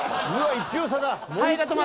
１票差だ。